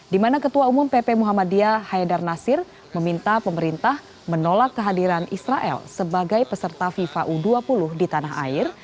di mana ketua umum pp muhammadiyah haidar nasir meminta pemerintah menolak kehadiran israel sebagai peserta fifa u dua puluh di tanah air